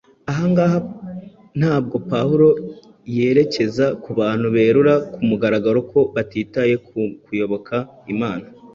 Ahangaha ntabwo Pawulo yerekeza ku bantu berura ku mugaragaro ko batitaye ku kuyoboka Imana,